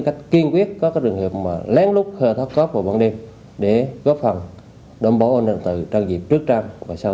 khắc this doorience đã xây dựng kế hoạch kế hoạch phối hợp với gợp lượng lượng nươngmmc thân mạo siege an toàn thời